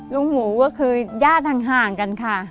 ลูกหมูก็คือย่าทางห่างกันค่ะ